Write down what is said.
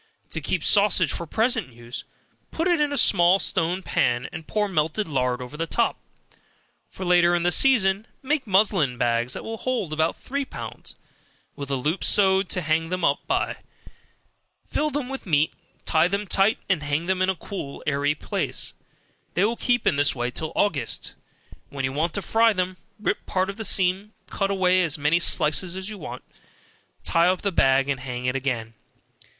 To keep sausage for present use, put it in small stone pans, and pour melted lard over the top; for later in the season, make muslin bags that will hold about three pounds, with a loop sewed on to hang them up by; fill them with meat, tie them tight, and hang them in a cool airy place; they will keep in this way till August, when you want to fry them, rip part of the seam, cut out as many slices as you want, tie up the bag and hang it up again.